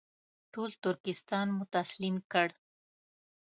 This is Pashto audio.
ټول ترکستان مو تسلیم کړ.